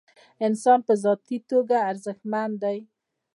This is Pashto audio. انسان په ذاتي توګه ارزښتمن دی.